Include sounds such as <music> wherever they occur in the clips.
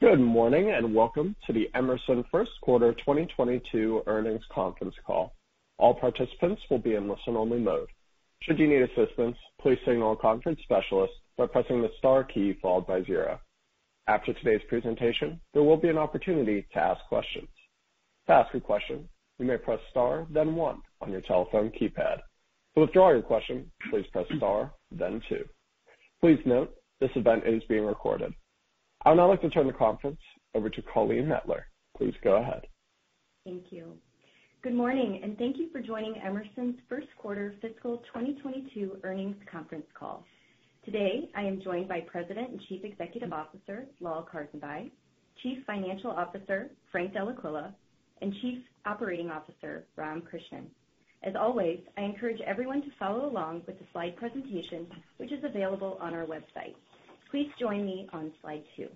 Good morning, and welcome to the Emerson first quarter 2022 earnings conference call. All participants will be in listen-only mode. Should you need assistance, please signal a conference specialist by pressing the star key followed by zero. After today's presentation, there will be an opportunity to ask questions. To ask a question, you may press star then one on your telephone keypad. To withdraw your question, please press star then two. Please note, this event is being recorded. I would now like to turn the conference over to Colleen Mettler. Please go ahead. Thank you. Good morning, and thank you for joining Emerson's first quarter fiscal 2022 earnings conference call. Today, I am joined by President and Chief Executive Officer Lal Karsanbhai, Chief Financial Officer Frank Dellaquila, and Chief Operating Officer Ram Krishnan. As always, I encourage everyone to follow along with the slide presentation, which is available on our website. Please join me on slide two.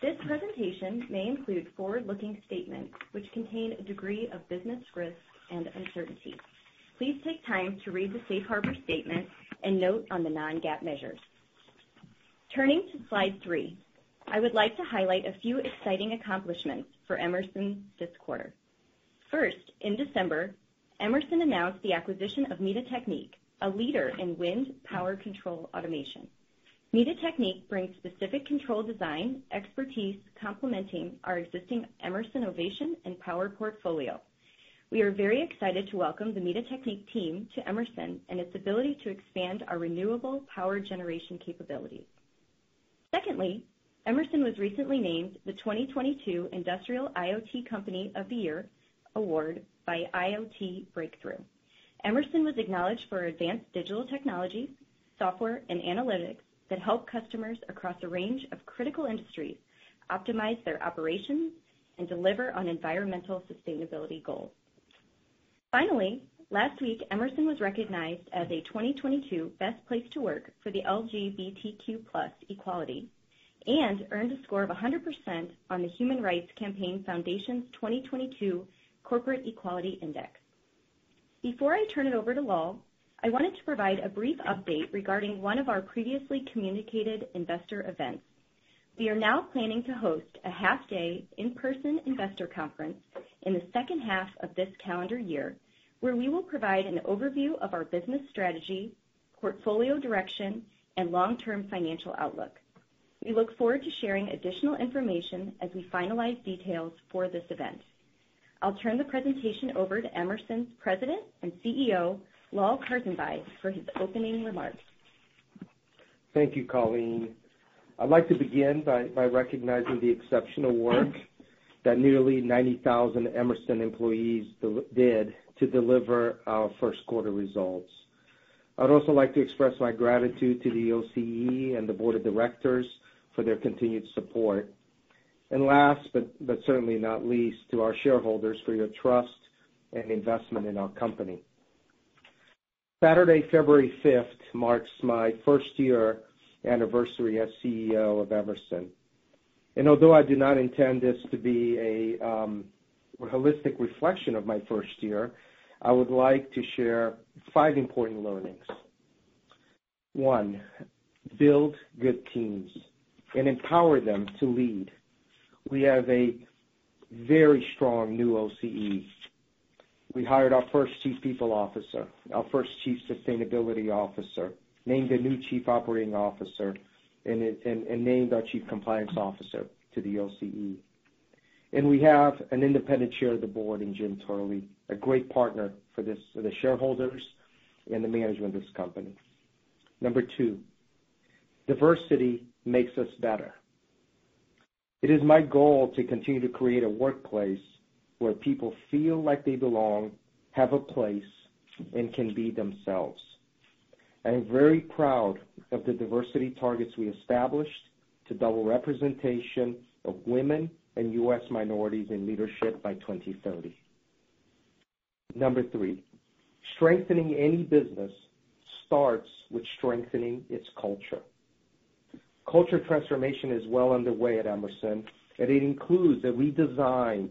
This presentation may include forward-looking statements which contain a degree of business risk and uncertainty. Please take time to read the safe harbor statement and note on the non-GAAP measures. Turning to slide three, I would like to highlight a few exciting accomplishments for Emerson this quarter. First, in December, Emerson announced the acquisition of Mita-Teknik, a leader in wind power control automation. Mita-Teknik brings specific control design expertise complementing our existing Emerson innovation and power portfolio. We are very excited to welcome the Mita-Teknik team to Emerson and its ability to expand our renewable power generation capabilities. Secondly, Emerson was recently named the 2022 Industrial IoT Company of the Year award by IoT Breakthrough. Emerson was acknowledged for advanced digital technology, software, and analytics that help customers across a range of critical industries optimize their operations and deliver on environmental sustainability goals. Finally, last week, Emerson was recognized as a 2022 best place to work for the LGBTQ+ equality and earned a score of 100% on the Human Rights Campaign Foundation's 2022 Corporate Equality Index. Before I turn it over to Lal, I wanted to provide a brief update regarding one of our previously communicated investor events. We are now planning to host a half-day in-person investor conference in the second half of this calendar year, where we will provide an overview of our business strategy, portfolio direction, and long-term financial outlook. We look forward to sharing additional information as we finalize details for this event. I'll turn the presentation over to Emerson's President and CEO, Lal Karsanbhai, for his opening remarks. Thank you, Colleen. I'd like to begin by recognizing the exceptional work that nearly 90,000 Emerson employees did to deliver our first quarter results. I'd also like to express my gratitude to the OCE and the Board of Directors for their continued support. Last but certainly not least, to our shareholders for your trust and investment in our company. Saturday, February 5th, marks my first year anniversary as CEO of Emerson. Although I do not intend this to be a holistic reflection of my first year, I would like to share five important learnings. One, build good teams and empower them to lead. We have a very strong new OCE. We hired our first Chief People Officer, our first Chief Sustainability Officer, named a new Chief Operating Officer, and named our Chief Compliance Officer to the OCE. We have an independent chair of the board in Jim Turley, a great partner for this, the shareholders and the management of this company. Number two, diversity makes us better. It is my goal to continue to create a workplace where people feel like they belong, have a place, and can be themselves. I am very proud of the diversity targets we established to double representation of women and US minorities in leadership by 2030. Number three, strengthening any business starts with strengthening its culture. Culture transformation is well underway at Emerson, and it includes a redesign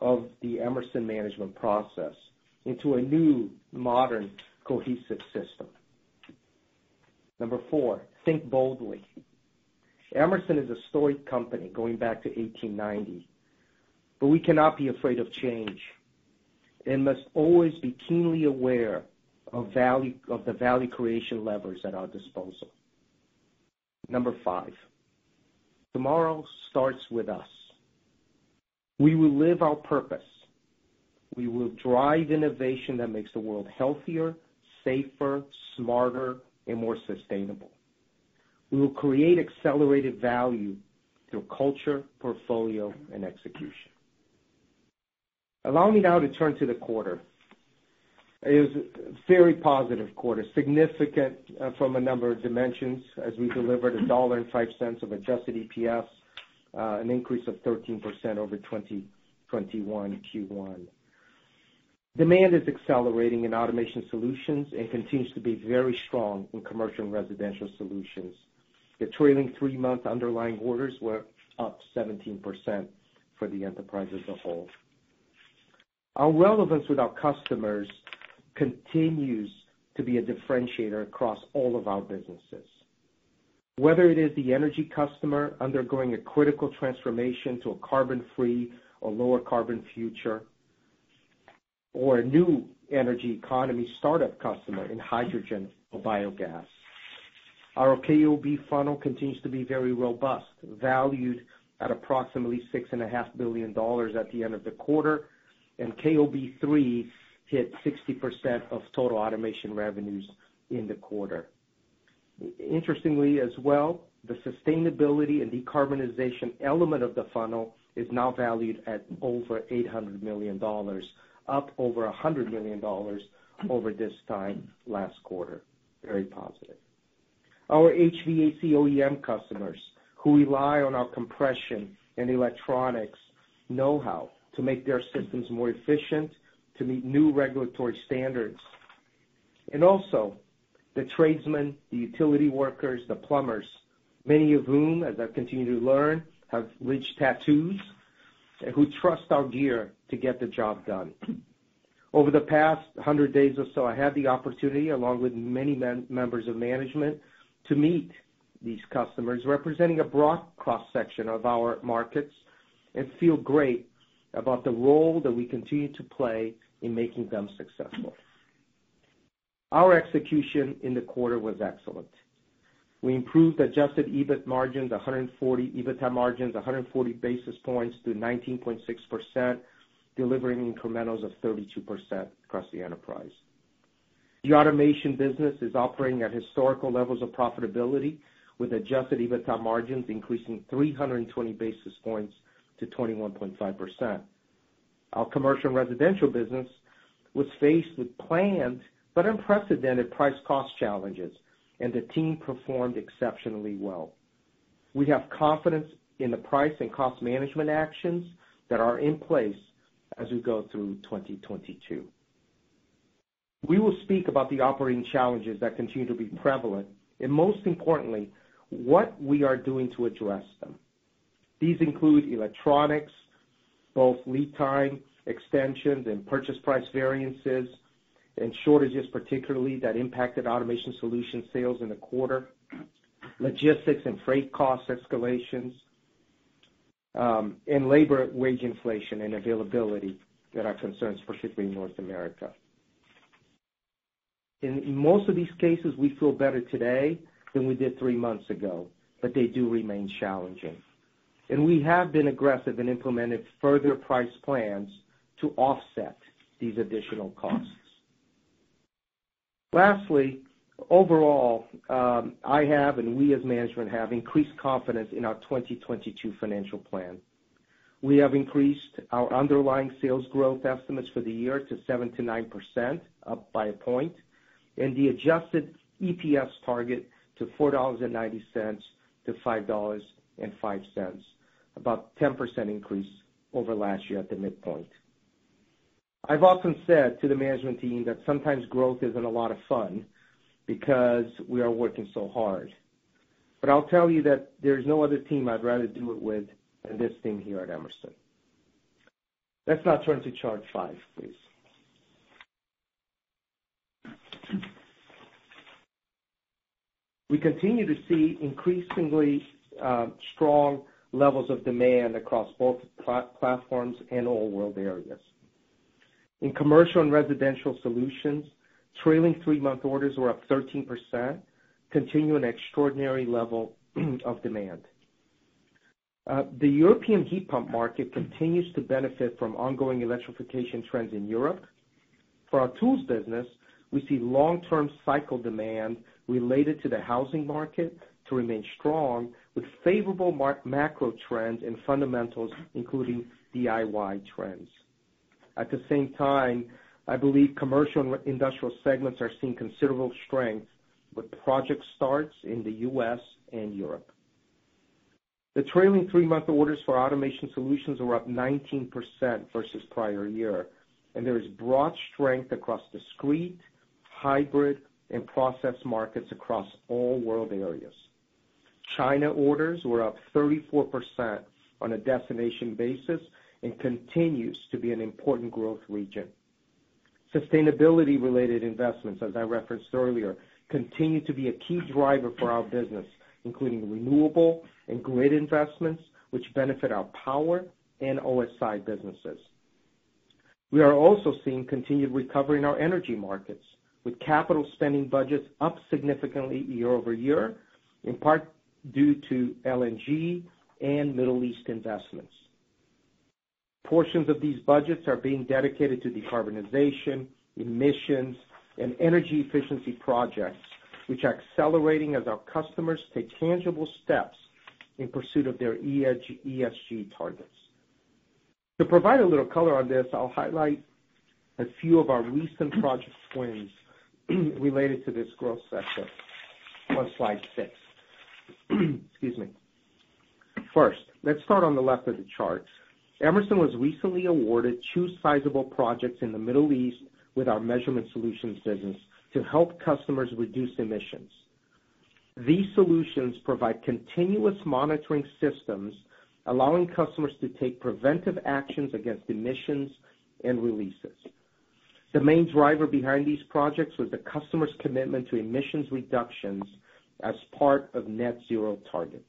of the Emerson management process into a new, modern, cohesive system. Number four, think boldly. Emerson is a storied company going back to 1890, but we cannot be afraid of change, and must always be keenly aware of value, of the value creation levers at our disposal. Number five, tomorrow starts with us. We will live our purpose. We will drive innovation that makes the world healthier, safer, smarter, and more sustainable. We will create accelerated value through culture, portfolio, and execution. Allow me now to turn to the quarter. It is a very positive quarter, significant from a number of dimensions as we delivered $1.05 of adjusted EPS, an increase of 13% over 2021 Q1. Demand is accelerating in Automation Solutions and continues to be very strong in Commercial & Residential Solutions. The trailing three-month underlying orders were up 17% for the enterprise as a whole. Our relevance with our customers continues to be a differentiator across all of our businesses. Whether it is the energy customer undergoing a critical transformation to a carbon-free or lower carbon future, or a new energy economy startup customer in hydrogen or biogas. Our KOB funnel continues to be very robust, valued at approximately $6.5 billion at the end of the quarter, and KOB3 hit 60% of total automation revenues in the quarter. Interestingly as well, the sustainability and decarbonization element of the funnel is now valued at over $800 million, up over $100 million over this time last quarter. Very positive. Our HVAC OEM customers who rely on our compression and electronics know-how to make their systems more efficient, to meet new regulatory standards, and also the tradesmen, the utility workers, the plumbers, many of whom, as I continue to learn, have RIDGID tattoos, who trust our gear to get the job done. Over the past 100 days or so, I had the opportunity, along with many members of management, to meet these customers representing a broad cross-section of our markets and feel great about the role that we continue to play in making them successful. Our execution in the quarter was excellent. We improved adjusted EBITDA margins 140 basis points to 19.6%, delivering incrementals of 32% across the enterprise. The automation business is operating at historical levels of profitability, with adjusted EBITDA margins increasing 320 basis points to 21.5%. Our commercial and residential business was faced with planned but unprecedented price cost challenges, and the team performed exceptionally well. We have confidence in the price and cost management actions that are in place as we go through 2022. We will speak about the operating challenges that continue to be prevalent and most importantly, what we are doing to address them. These include electronics, both lead time extensions and purchase price variances and shortages, particularly that impacted Automation Solutions sales in the quarter, logistics and freight cost escalations, and labor wage inflation and availability that are concerns, particularly in North America. In most of these cases, we feel better today than we did three months ago, but they do remain challenging. We have been aggressive and implemented further price plans to offset these additional costs. Lastly, overall, I have, and we as management have, increased confidence in our 2022 financial plan. We have increased our underlying sales growth estimates for the year to 7%-9%, up by a point, and the adjusted EPS target to $4.90-$5.05, about 10% increase over last year at the midpoint. I've often said to the management team that sometimes growth isn't a lot of fun because we are working so hard. I'll tell you that there's no other team I'd rather do it with than this team here at Emerson. Let's now turn to chart five, please. We continue to see increasingly strong levels of demand across both platforms and all world areas. In Commercial & Residential Solutions, trailing three-month orders were up 13%, continuing extraordinary level of demand. The European heat pump market continues to benefit from ongoing electrification trends in Europe. For our tools business, we see long-term cycle demand related to the housing market to remain strong with favorable macro trends and fundamentals, including DIY trends. At the same time, I believe commercial and industrial segments are seeing considerable strength with project starts in the U.S. and Europe. The trailing three-month orders for Automation Solutions were up 19% versus prior year, and there is broad strength across discrete, hybrid, and process markets across all world areas. China orders were up 34% on a destination basis and continues to be an important growth region. Sustainability-related investments, as I referenced earlier, continue to be a key driver for our business, including renewable and grid investments which benefit our power and OSI businesses. We are also seeing continued recovery in our energy markets, with capital spending budgets up significantly year-over-year, in part due to LNG and Middle East investments. Portions of these budgets are being dedicated to decarbonization, emissions, and energy efficiency projects, which are accelerating as our customers take tangible steps in pursuit of their ESG targets. To provide a little color on this, I'll highlight a few of our recent project wins related to this growth sector on slide six. Excuse me. First, let's start on the left of the chart. Emerson was recently awarded two sizable projects in the Middle East with our Measurement Solutions business to help customers reduce emissions. These solutions provide continuous monitoring systems, allowing customers to take preventive actions against emissions and releases. The main driver behind these projects was the customer's commitment to emissions reductions as part of net zero targets.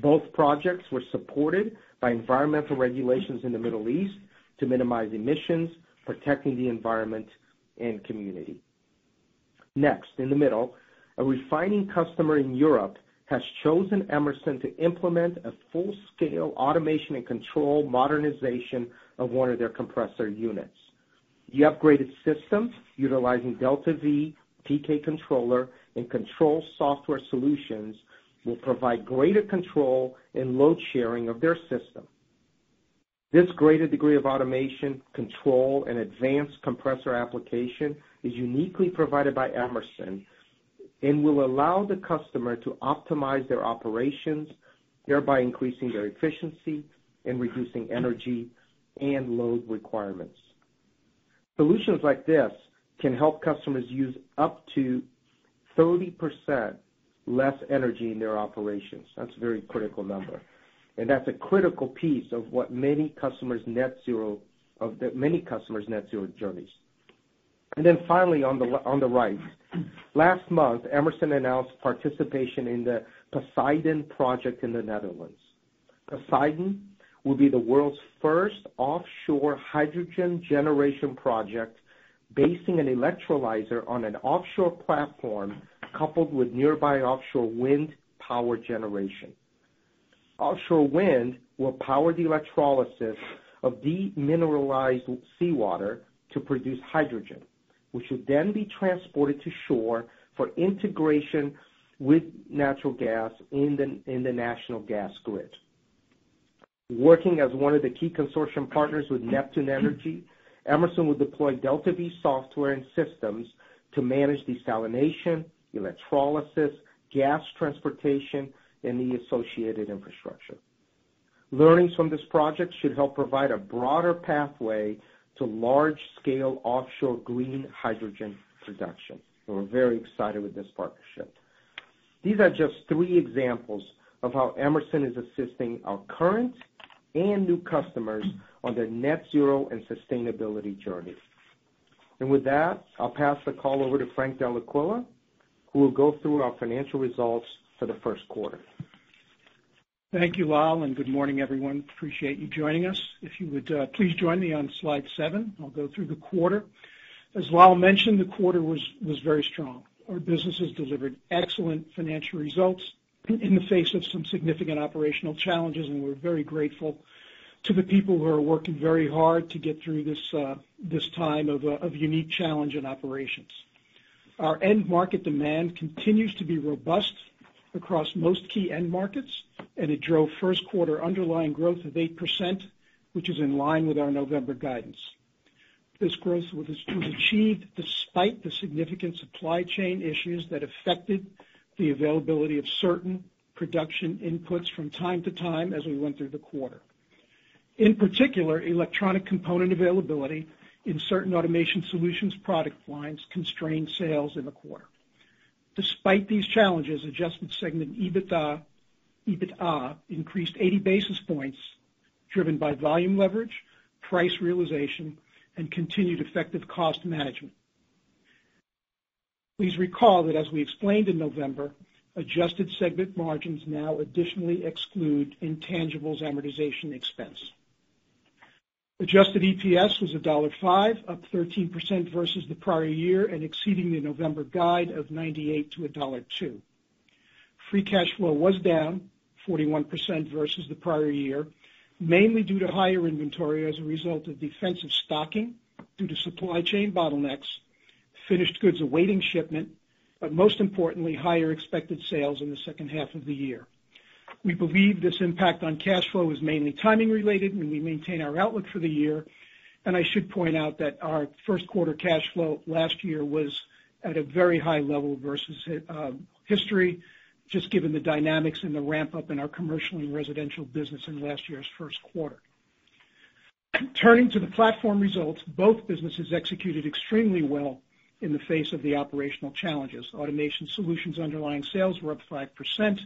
Both projects were supported by environmental regulations in the Middle East to minimize emissions, protecting the environment and community. Next, in the middle, a refining customer in Europe has chosen Emerson to implement a full-scale automation and control modernization of one of their compressor units. The upgraded systems, utilizing DeltaV TK controller and control software solutions, will provide greater control and load sharing of their system. This greater degree of automation, control, and advanced compressor application is uniquely provided by Emerson and will allow the customer to optimize their operations, thereby increasing their efficiency and reducing energy and load requirements. Solutions like this can help customers use up to 30% less energy in their operations. That's a very critical number. That's a critical piece of what many customers' net zero journeys. Then finally, on the right, last month, Emerson announced participation in the PosHYdon project in the Netherlands. PosHYdon will be the world's first offshore hydrogen generation project, basing an electrolyzer on an offshore platform coupled with nearby offshore wind power generation. Offshore wind will power the electrolysis of demineralized seawater to produce hydrogen, which will then be transported to shore for integration with natural gas in the national gas grid. Working as one of the key consortium partners with Neptune Energy, Emerson will deploy DeltaV software and systems to manage desalination, electrolysis, gas transportation, and the associated infrastructure. Learnings from this project should help provide a broader pathway to large-scale offshore green hydrogen production. We're very excited with this partnership. These are just three examples of how Emerson is assisting our current and new customers on their net zero and sustainability journey. With that, I'll pass the call over to Frank Dellaquila, who will go through our financial results for the first quarter. Thank you, Lal, and good morning, everyone. Appreciate you joining us. If you would, please join me on slide seven, I'll go through the quarter. As Lal mentioned, the quarter was very strong. Our businesses delivered excellent financial results in the face of some significant operational challenges, and we're very grateful to the people who are working very hard to get through this time of unique challenge in operations. Our end market demand continues to be robust across most key end markets, and it drove first quarter underlying growth of 8%, which is in line with our November guidance. This growth was achieved despite the significant supply chain issues that affected the availability of certain production inputs from time to time as we went through the quarter. In particular, electronic component availability in certain Automation Solutions product lines constrained sales in the quarter. Despite these challenges, adjusted segment EBITDA increased 80 basis points, driven by volume leverage, price realization, and continued effective cost management. Please recall that as we explained in November, adjusted segment margins now additionally exclude intangibles amortization expense. Adjusted EPS was $1.5, up 13% versus the prior year and exceeding the November guide of $0.98-$1.02. Free cash flow was down 41% versus the prior year, mainly due to higher inventory as a result of defensive stocking due to supply chain bottlenecks, finished goods awaiting shipment, but most importantly, higher expected sales in the second half of the year. We believe this impact on cash flow is mainly timing related, and we maintain our outlook for the year. I should point out that our first quarter cash flow last year was at a very high level versus history, just given the dynamics and the ramp-up in our commercial and residential business in last year's first quarter. Turning to the platform results, both businesses executed extremely well in the face of the operational challenges. Automation Solutions underlying sales were up 5%,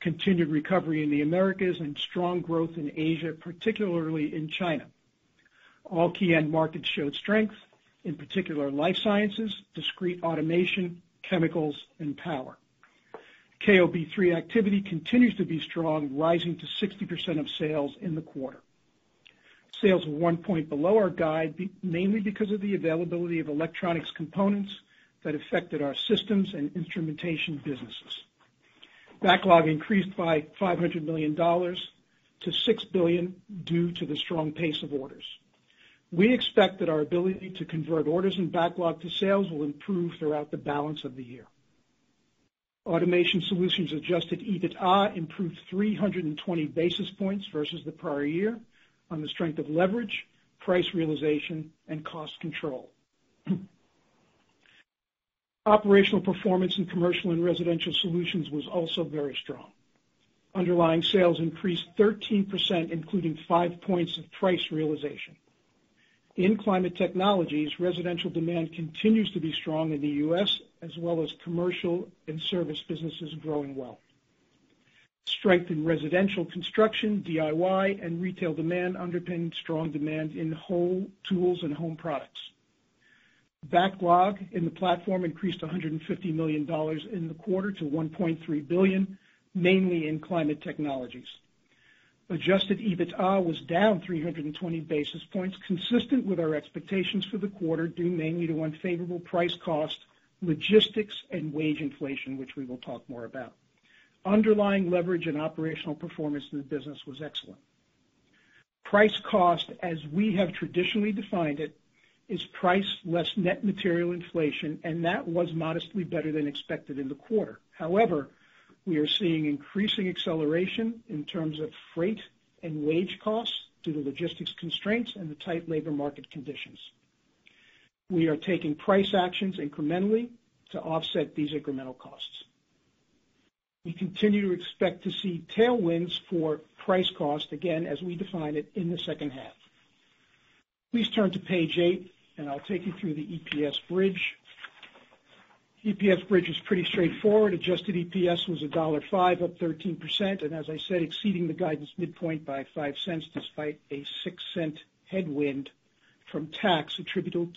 continued recovery in the Americas, and strong growth in Asia, particularly in China. All key end markets showed strength, in particular life sciences, discrete automation, chemicals, and power. KOB3 activity continues to be strong, rising to 60% of sales in the quarter. Sales were one point below our guide, mainly because of the availability of electronics components that affected our systems and instrumentation businesses. Backlog increased by $500 million to $6 billion due to the strong pace of orders. We expect that our ability to convert orders and backlog to sales will improve throughout the balance of the year. Automation Solutions adjusted EBITDA improved 320 basis points versus the prior year on the strength of leverage, price realization, and cost control. Operational performance in Commercial & Residential Solutions was also very strong. Underlying sales increased 13%, including five points of price realization. In Climate Technologies, residential demand continues to be strong in the U.S., as well as commercial and service businesses growing well. Strength in residential construction, DIY, and retail demand underpinned strong demand in home tools and home products. Backlog in the platform increased $150 million in the quarter to $1.3 billion, mainly in Climate Technologies. Adjusted EBITDA was down 320 basis points, consistent with our expectations for the quarter, due mainly to unfavorable price cost, logistics, and wage inflation, which we will talk more about. Underlying leverage and operational performance in the business was excellent. Price cost, as we have traditionally defined it, is price less net material inflation, and that was modestly better than expected in the quarter. However, we are seeing increasing acceleration in terms of freight and wage costs due to logistics constraints and the tight labor market conditions. We are taking price actions incrementally to offset these incremental costs. We continue to expect to see tailwinds for price cost, again, as we define it in the second half. Please turn to page eight, and I'll take you through the EPS bridge. EPS bridge is pretty straightforward. Adjusted EPS was $1.05, up 13%, and as I said, exceeding the guidance midpoint by $0.05 despite a $0.06 headwind from tax attributable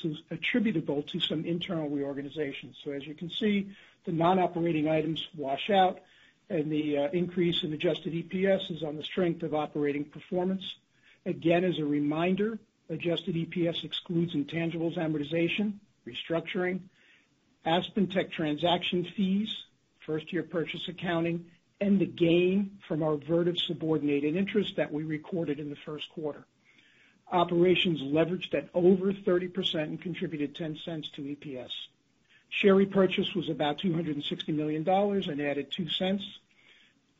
to some internal reorganization. As you can see, the non-operating items wash out, and the increase in adjusted EPS is on the strength of operating performance. Again, as a reminder, adjusted EPS excludes intangibles amortization, restructuring, AspenTech transaction fees, first-year purchase accounting, and the gain from our Vertiv subordinated interest that we recorded in the first quarter. Operations leveraged at over 30% and contributed $0.10 to EPS. Share repurchase was about $260 million and added $0.02.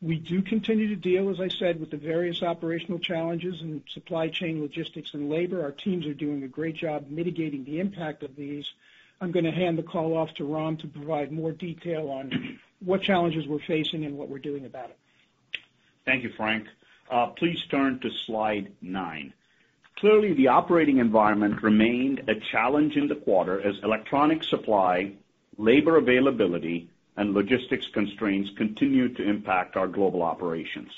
We do continue to deal, as I said, with the various operational challenges in supply chain logistics and labor. Our teams are doing a great job mitigating the impact of these. I'm gonna hand the call off to Ram to provide more detail on what challenges we're facing and what we're doing about it. Thank you, Frank. Please turn to slide nine. Clearly, the operating environment remained a challenge in the quarter as electronic supply, labor availability, and logistics constraints continued to impact our global operations.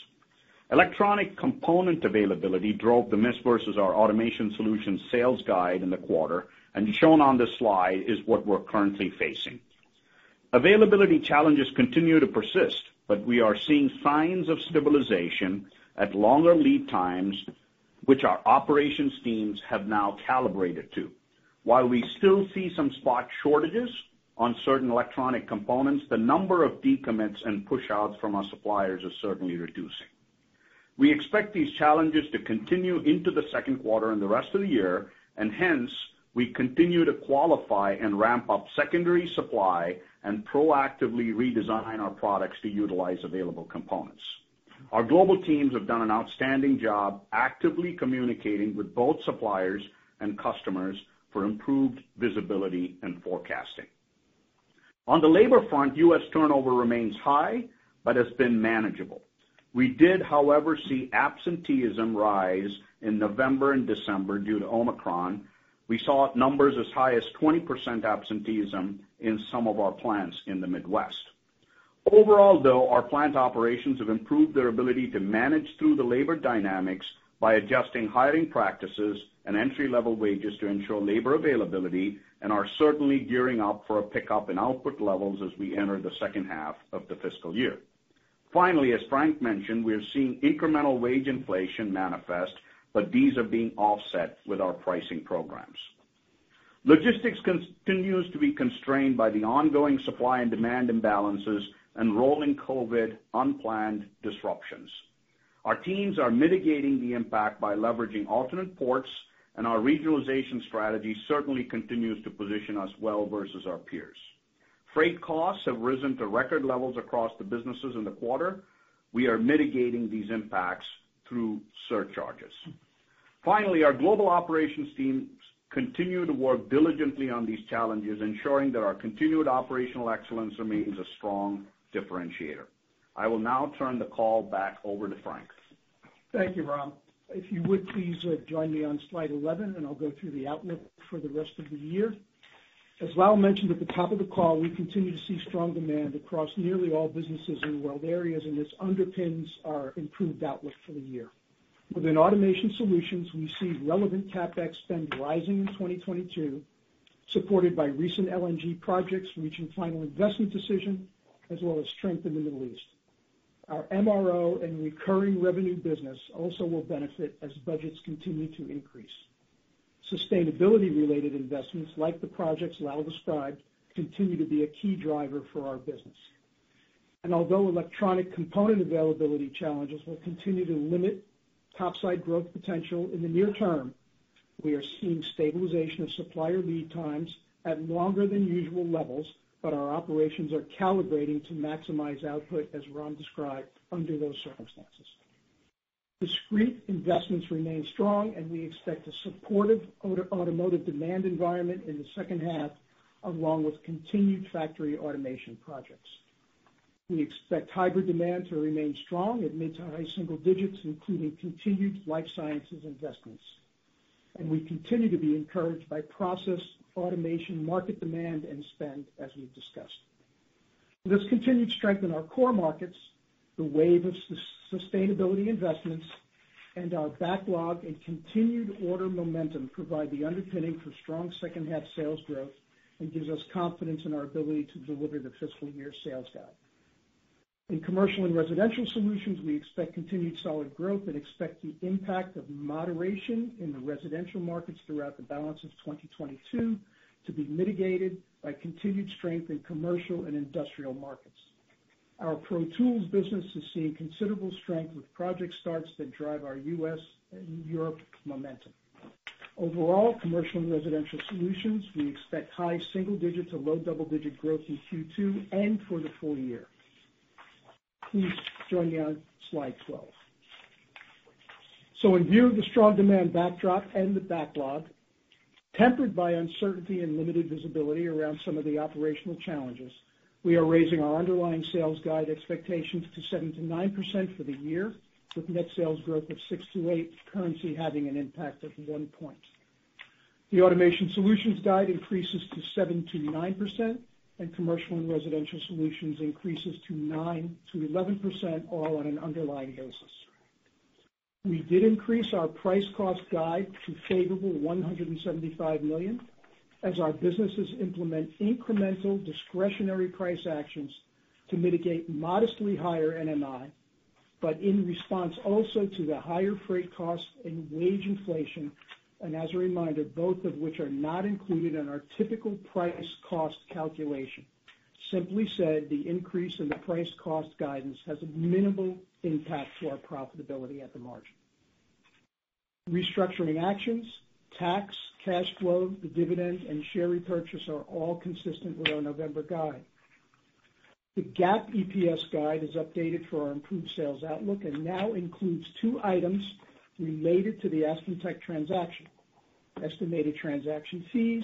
Electronic component availability drove the miss versus our Automation Solutions sales guide in the quarter, and shown on this slide is what we're currently facing. Availability challenges continue to persist, but we are seeing signs of stabilization at longer lead times, which our operations teams have now calibrated to. While we still see some spot shortages on certain electronic components, the number of decommits and pushouts from our suppliers is certainly reducing. We expect these challenges to continue into the second quarter and the rest of the year, and hence, we continue to qualify and ramp up secondary supply and proactively redesign our products to utilize available components. Our global teams have done an outstanding job actively communicating with both suppliers and customers for improved visibility and forecasting. On the labor front, U.S. turnover remains high but has been manageable. We did, however, see absenteeism rise in November and December due to Omicron. We saw numbers as high as 20% absenteeism in some of our plants in the Midwest. Overall, though, our plant operations have improved their ability to manage through the labor dynamics by adjusting hiring practices and entry-level wages to ensure labor availability and are certainly gearing up for a pickup in output levels as we enter the second half of the fiscal year. Finally, as Frank mentioned, we are seeing incremental wage inflation manifest, but these are being offset with our pricing programs. Logistics continues to be constrained by the ongoing supply and demand imbalances and rolling COVID unplanned disruptions. Our teams are mitigating the impact by leveraging alternate ports, and our regionalization strategy certainly continues to position us well versus our peers. Freight costs have risen to record levels across the businesses in the quarter. We are mitigating these impacts through surcharges. Finally, our global operations teams continue to work diligently on these challenges, ensuring that our continued operational excellence remains a strong differentiator. I will now turn the call back over to Frank. Thank you, Ram. If you would please, join me on slide 11, and I'll go through the outlook for the rest of the year. As Lal mentioned at the top of the call, we continue to see strong demand across nearly all businesses and world areas, and this underpins our improved outlook for the year. Within Automation Solutions, we see relevant CapEx spend rising in 2022, supported by recent LNG projects reaching final investment decision, as well as strength in the Middle East. Our MRO and recurring revenue business also will benefit as budgets continue to increase. Sustainability-related investments, like the projects Lal described, continue to be a key driver for our business. Although electronic component availability challenges will continue to limit top-side growth potential in the near term, we are seeing stabilization of supplier lead times at longer than usual levels, but our operations are calibrating to maximize output, as Ram described, under those circumstances. Discrete investments remain strong, and we expect a supportive auto, automotive demand environment in the second half, along with continued factory automation projects. We expect hybrid demand to remain strong at mid to high single digits, including continued life sciences investments. We continue to be encouraged by process automation market demand and spend as we've discussed. This continued strength in our core markets, the wave of sustainability investments, and our backlog and continued order momentum provide the underpinning for strong second half sales growth and gives us confidence in our ability to deliver the fiscal year sales guide. In Commercial & Residential Solutions, we expect continued solid growth and expect the impact of moderation in the residential markets throughout the balance of 2022 to be mitigated by continued strength in commercial and industrial markets. Our Pro Tools business is seeing considerable strength with project starts that drive our U.S. and Europe momentum. Overall, Commercial & Residential Solutions, we expect high single-digit to low double-digit growth in Q2 and for the full year. Please join me on slide 12. In view of the strong demand backdrop and the backlog, tempered by uncertainty and limited visibility around some of the operational challenges, we are raising our underlying sales guide expectations to 7%-9% for the year, with net sales growth of 6%-8%, currency having an impact of one point. The Automation Solutions guide increases to 7%-9%, and Commercial & Residential Solutions increases to 9%-11%, all on an underlying basis. We did increase our price cost guide to favorable $175 million as our businesses implement incremental discretionary price actions to mitigate modestly higher NMI, but in response also to the higher freight costs and wage inflation, and as a reminder, both of which are not included in our typical price cost calculation. Simply said, the increase in the price cost guidance has a minimal impact to our profitability at the margin. Restructuring actions, tax, cash flow, the dividend, and share repurchase are all consistent with our November guide. The GAAP EPS guide is updated for our improved sales outlook and now includes two items related to the AspenTech transaction, estimated transaction fees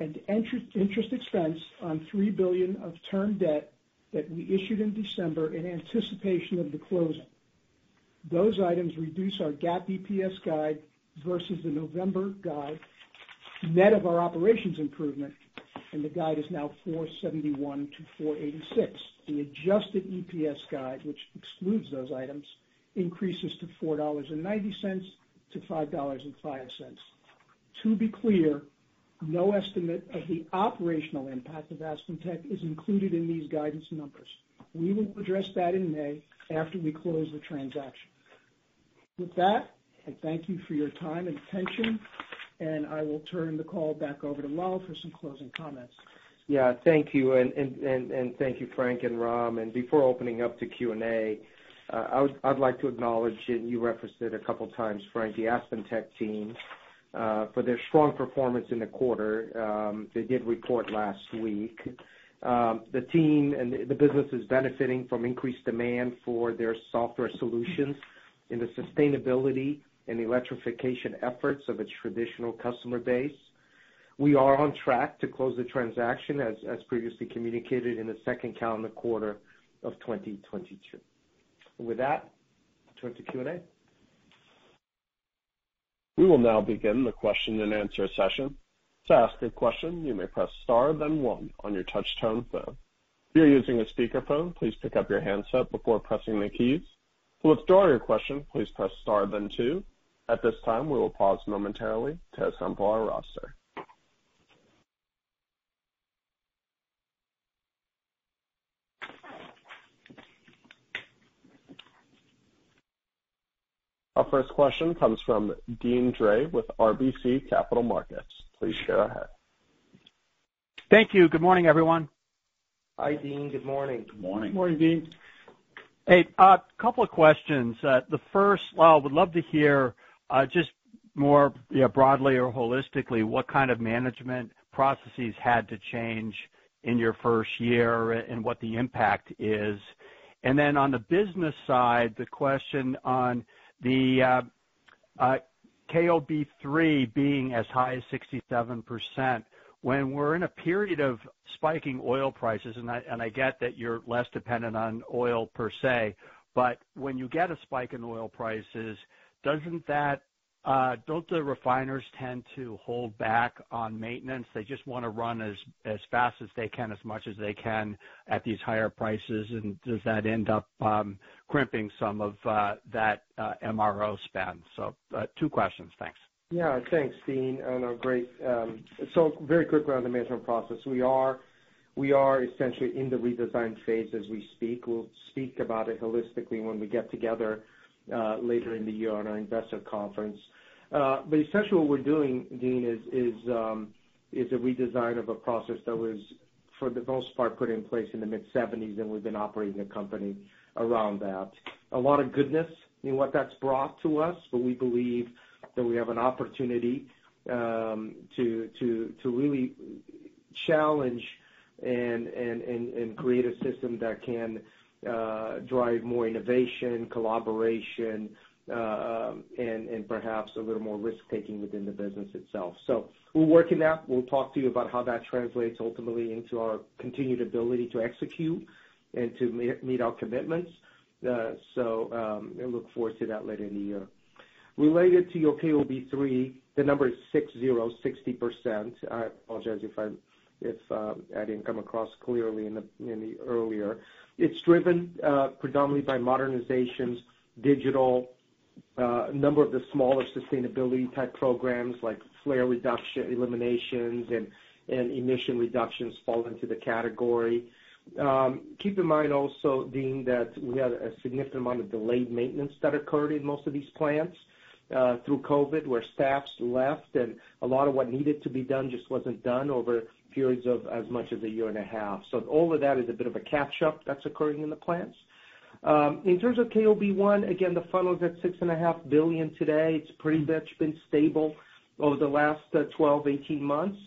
and interest expense on $3 billion of term debt that we issued in December in anticipation of the closing. Those items reduce our GAAP EPS guide versus the November guide, net of our operations improvement, and the guide is now $4.71-$4.86. The adjusted EPS guide, which excludes those items, increases to $4.90-$5.05. To be clear, no estimate of the operational impact of AspenTech is included in these guidance numbers. We will address that in May after we close the transaction. With that, I thank you for your time and attention, and I will turn the call back over to Lal for some closing comments. Thank you, Frank and Ram. Before opening up to Q&A, I'd like to acknowledge, and you referenced it a couple of times, Frank, the AspenTech team for their strong performance in the quarter. They did report last week. The team and the business is benefiting from increased demand for their software solutions in the sustainability and electrification efforts of its traditional customer base. We are on track to close the transaction as previously communicated in the second calendar quarter of 2022. With that, turn to Q&A. We will now begin the question and answer session. To ask a question, you may press star then one on your touch-tone phone. If you're using a speakerphone, please pick up your handset before pressing the keys. To withdraw your question, please press star then two. At this time, we will pause momentarily to assemble our roster. Our first question comes from Deane Dray with RBC Capital Markets. Please go ahead. Thank you. Good morning, everyone. Hi, Deane. Good morning. Good morning. Good morning, Deane. Hey, couple of questions. The first, Lal, would love to hear just more, you know, broadly or holistically what kind of management processes had to change in your first year and what the impact is. On the business side, the question on the KOB3 being as high as 67%, when we're in a period of spiking oil prices, and I get that you're less dependent on oil per se, but when you get a spike in oil prices, don't the refiners tend to hold back on maintenance? They just wanna run as fast as they can, as much as they can at these higher prices. Does that end up crimping some of that MRO spend? Two questions. Thanks. Yeah. Thanks, Dean. Very quickly on the management process. We are essentially in the redesign phase as we speak. We'll speak about it holistically when we get together later in the year on our investor conference. Essentially what we're doing, Dean, is a redesign of a process that was for the most part put in place in the mid-1970s, and we've been operating the company around that. A lot of goodness in what that's brought to us, but we believe that we have an opportunity to really challenge and create a system that can drive more innovation, collaboration, and perhaps a little more risk-taking within the business itself. We're working that. We'll talk to you about how that translates ultimately into our continued ability to execute and to meet our commitments. Look forward to that later in the year. Related to your KOB3, the number is 60%. I apologize if I didn't come across clearly in the earlier. It's driven predominantly by modernizations, digital, a number of the smaller sustainability type programs like flare reduction, eliminations and emission reductions fall into the category. Keep in mind also, Dean, that we had a significant amount of delayed maintenance that occurred in most of these plants through COVID, where staffs left and a lot of what needed to be done just wasn't done over periods of as much as a year and a half. All of that is a bit of a catch up that's occurring in the plants. In terms of KOB1, again, the funnel is at $6.5 billion today. It's pretty much been stable over the last 12, 18 months.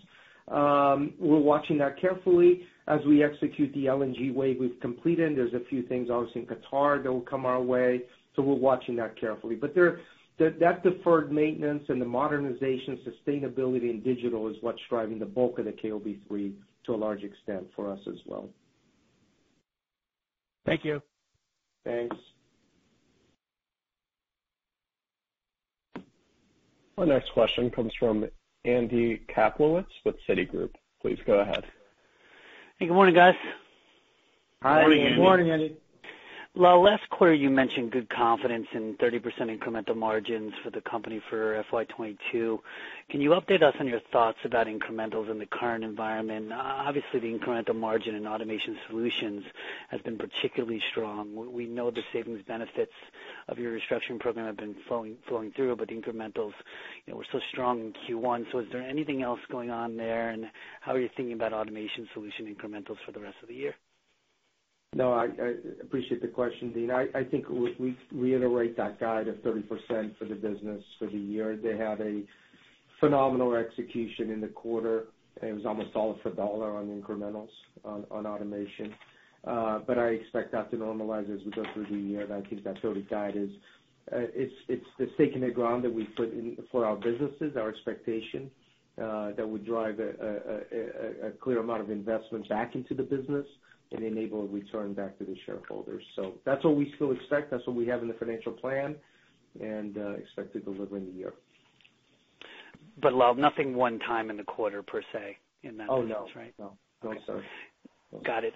We're watching that carefully as we execute the LNG wave we've completed. There's a few things obviously in Qatar that will come our way, so we're watching that carefully. That deferred maintenance and the modernization, sustainability and digital is what's driving the bulk of the KOB3 to a large extent for us as well. Thank you. Thanks. Our next question comes from Andrew Kaplowitz with Citigroup. Please go ahead. Hey, good morning, guys. Hi. Good morning, Andy. Well, last quarter you mentioned good confidence in 30% incremental margins for the company for FY 2022. Can you update us on your thoughts about incrementals in the current environment? Obviously, the incremental margin in Automation Solutions has been particularly strong. We know the savings benefits of your restructuring program have been flowing through, but incrementals, you know, were so strong in Q1. Is there anything else going on there and how are you thinking about Automation Solutions incrementals for the rest of the year? No, I appreciate the question, Dean. I think we reiterate that guide of 30% for the business for the year. They had a phenomenal execution in the quarter. It was almost dollar for dollar on incrementals on automation. I expect that to normalize as we go through the year. I think that 30 guide is the stake in the ground that we put in for our businesses. Our expectation that would drive a clear amount of investment back into the business and enable a return back to the shareholders. That's what we still expect. That's what we have in the financial plan and expect to deliver in the year. Lal, nothing one time in the quarter per se in that instance, right? Oh, no. No. Okay. Got it.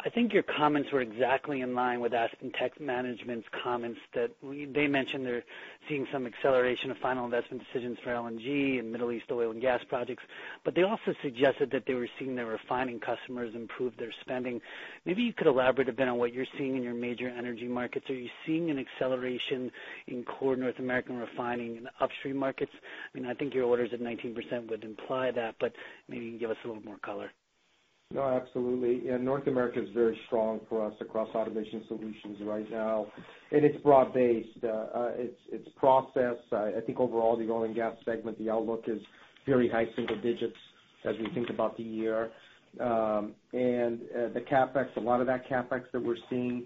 I think your comments were exactly in line with AspenTech management's comments that they mentioned they're seeing some acceleration of final investment decisions for LNG and Middle East oil and gas projects. They also suggested that they were seeing their refining customers improve their spending. Maybe you could elaborate a bit on what you're seeing in your major energy markets. Are you seeing an acceleration in core North American refining and upstream markets? I mean, I think your orders at 19% would imply that, but maybe you can give us a little more color. No, absolutely. North America is very strong for us across Automation Solutions right now, and it's broad-based. It's process. I think overall, the oil and gas segment, the outlook is very high single digits% as we think about the year. The CapEx, a lot of that CapEx that we're seeing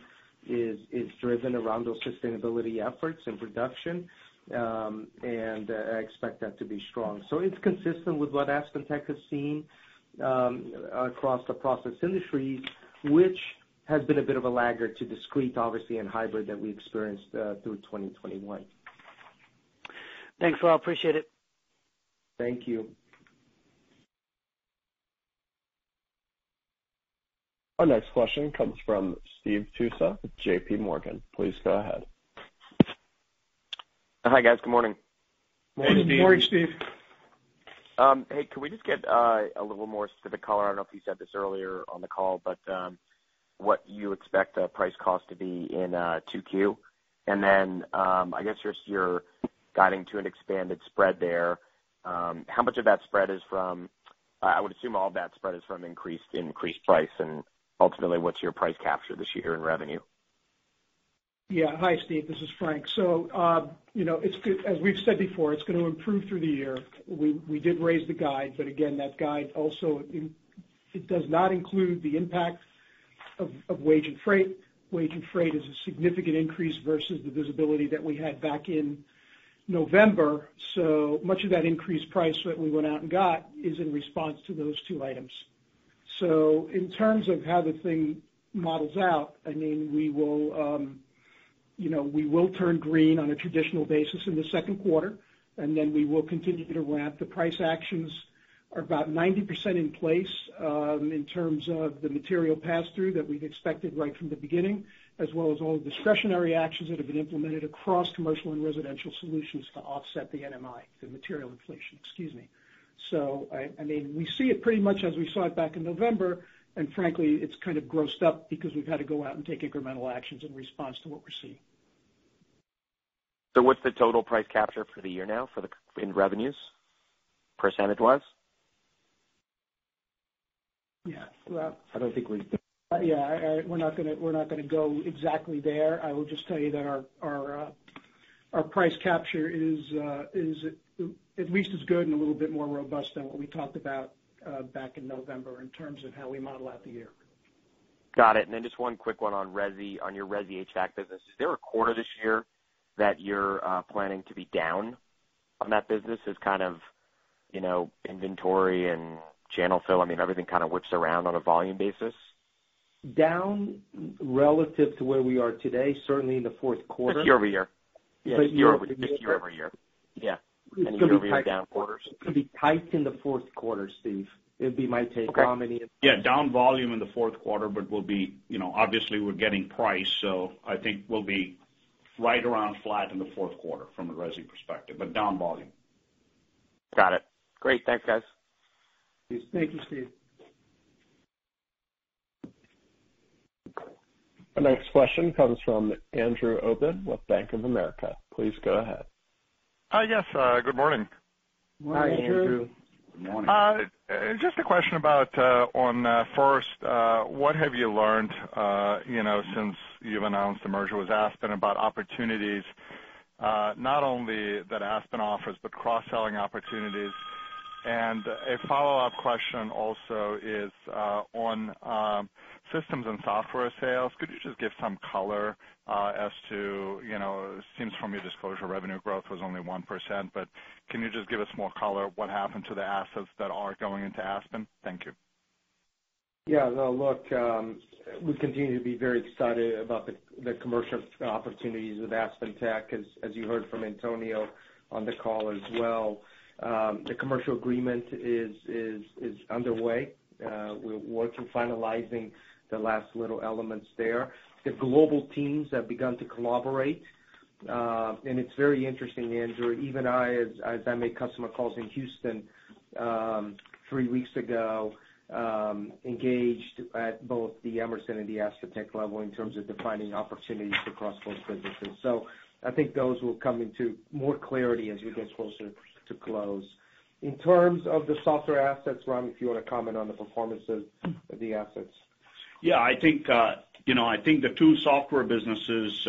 is driven around those sustainability efforts and production. I expect that to be strong. It's consistent with what AspenTech has seen across the process industries, which has been a bit of a laggard to discrete, obviously, and hybrid that we experienced through 2021. Thanks, Lal. Appreciate it. Thank you. Our next question comes from Steve Tusa with JPMorgan. Please go ahead. Hi, guys. Good morning. Morning, Steve. Morning, Steve. Hey, could we just get a little more specific color? I don't know if you said this earlier on the call, but what you expect price cost to be in 2Q? And then I guess just you're guiding to an expanded spread there. How much of that spread is from, I would assume all of that spread is from increased price. And ultimately, what's your price capture this year in revenue? Hi, Steve, this is Frank. You know, it's as we've said before, it's gonna improve through the year. We did raise the guide, but again, that guide also, it does not include the impact of wage and freight. Wage and freight is a significant increase versus the visibility that we had back in November. Much of that increased price that we went out and got is in response to those two items. In terms of how the thing models out, I mean, you know, we will turn green on a traditional basis in the second quarter, and then we will continue to ramp. The price actions are about 90% in place, in terms of the material pass through that we've expected right from the beginning, as well as all the discretionary actions that have been implemented across Commercial & Residential Solutions to offset the NMI, the material inflation. Excuse me. I mean, we see it pretty much as we saw it back in November. Frankly, it's kind of grossed up because we've had to go out and take incremental actions in response to what we're seeing. What's the total price capture for the year now in revenues, percentage wise? Yeah. Well I don't think we- Yeah, we're not gonna go exactly there. I will just tell you that our price capture is at least as good and a little bit more robust than what we talked about back in November in terms of how we model out the year. Got it. Just one quick one on resi, on your resi HVAC business. Is there a quarter this year that you're planning to be down on that business? As kind of, you know, inventory and channel fill, I mean, everything kind of whips around on a volume basis. Down relative to where we are today, certainly in the fourth quarter. Year-over-year. Year-over-year. Year-over-year. Yeah. It's gonna be tight. Year-over-year down quarters. It could be tight in the fourth quarter, Steve. It'd be my take on it. Yeah, down volume in the fourth quarter, but we'll be, you know, obviously we're getting price, so I think we'll be right around flat in the fourth quarter from a resi perspective, but down volume. Got it. Great. Thanks, guys. Thank you, Steve. The next question comes from Andrew Obin with Bank of America. Please go ahead. Hi. Yes, good morning. Morning, Andrew. Good morning. Just a question about on first what have you learned, you know, since you've announced the merger with Aspen about opportunities, not only that Aspen offers, but cross-selling opportunities? A follow-up question also is on systems and software sales, could you just give some color as to, you know, it seems from your disclosure revenue growth was only 1%, but can you just give us more color what happened to the assets that are going into Aspen? Thank you. Yeah. No, look, we continue to be very excited about the commercial opportunities with AspenTech, as you heard from Antonio on the call as well. The commercial agreement is underway. We're working on finalizing the last little elements there. The global teams have begun to collaborate. It's very interesting, Andrew, even I, as I made customer calls in Houston three weeks ago, engaged at both the Emerson and the AspenTech level in terms of defining opportunities across both businesses. So I think those will come into more clarity as we get closer to close. In terms of the software assets, Ram, if you wanna comment on the performance of the assets. Yeah. I think, you know, I think the two software businesses,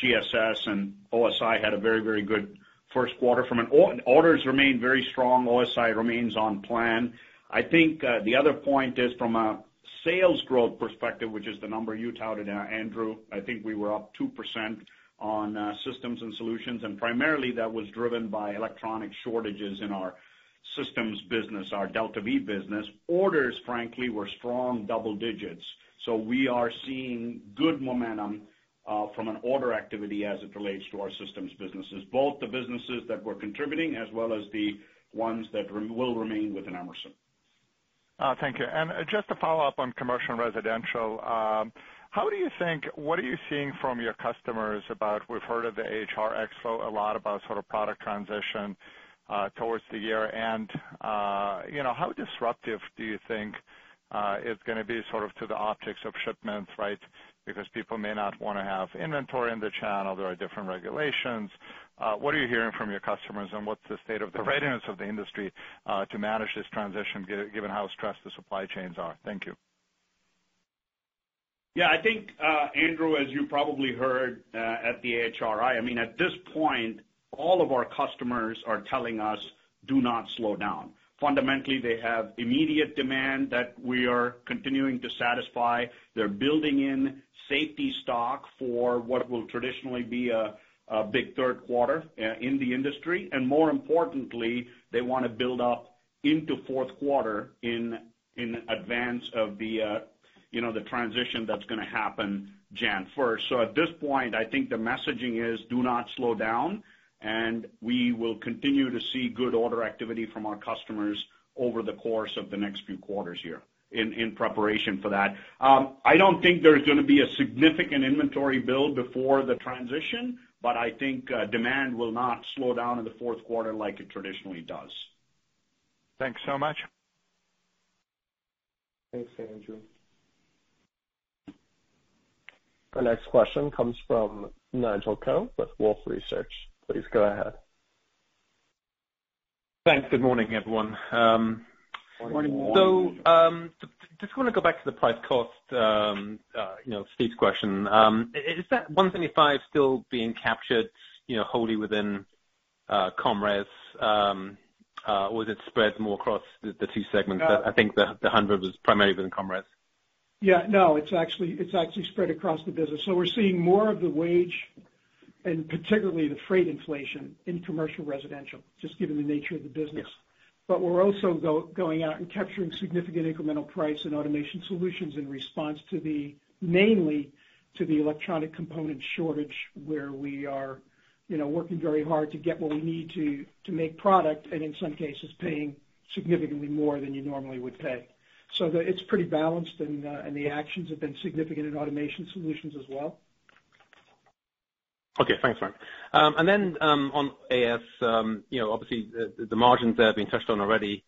GSS and OSI had a very good first quarter. Orders remain very strong. OSI remains on plan. I think the other point is from a sales growth perspective, which is the number you touted, Andrew. I think we were up 2% on systems and solutions, and primarily that was driven by electronic shortages in our systems business, our DeltaV business. Orders, frankly, were strong double digits. We are seeing good momentum from an order activity as it relates to our systems businesses, both the businesses that we're contributing as well as the ones that will remain within Emerson. Thank you. Just to follow up on Commercial and Residential, what are you seeing from your customers about, we've heard of the AHR Expo a lot about sort of product transition toward the year and, you know, how disruptive do you think it's gonna be sort of to the optics of shipments, right? Because people may not wanna have inventory in the channel. There are different regulations. What are you hearing from your customers, and what's the state of the readiness of the industry to manage this transition given how stressed the supply chains are? Thank you. Yeah. I think, Andrew, as you probably heard, at the AHRI, I mean, at this point, all of our customers are telling us, "Do not slow down." Fundamentally, they have immediate demand that we are continuing to satisfy. They're building in safety stock for what will traditionally be a big third quarter in the industry. More importantly, they wanna build up into fourth quarter in advance of the, you know, the transition that's gonna happen Jan first. At this point, I think the messaging is do not slow down, and we will continue to see good order activity from our customers over the course of the next few quarters here in preparation for that. I don't think there's gonna be a significant inventory build before the transition, but I think demand will not slow down in the fourth quarter like it traditionally does. Thanks so much. Thanks, Andrew. The next question comes from Nigel Coe with Wolfe Research. Please go ahead. Thanks. Good morning, everyone. Morning. Morning. Just wanna go back to the price cost, you know, Steve's question. Is that $175 still being captured, you know, wholly within comm res, or is it spread more across the two segments? I think the $100 was primarily within comm res. Yeah. No, it's actually spread across the business. We're seeing more of the wage, and particularly the freight inflation in Commercial & Residential, just given the nature of the business. Yeah. We're also going out and capturing significant incremental price in Automation Solutions in response to the, mainly to the electronic component shortage, where we are, you know, working very hard to get what we need to make product, and in some cases, paying significantly more than you normally would pay. It's pretty balanced, and the actions have been significant in Automation Solutions as well. Okay. Thanks, Frank. And then, on AS, you know, obviously the margins there have been touched on already.